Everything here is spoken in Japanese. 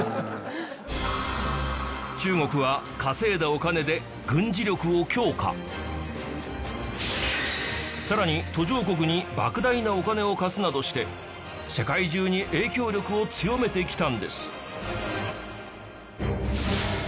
中国は稼いだお金でさらに途上国に莫大なお金を貸すなどして世界中に影響力を強めてきたんです